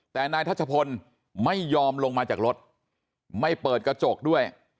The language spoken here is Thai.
แต่นายทัชพลไม่ยอมลงมาจากรถไม่เปิดกระจกด้วย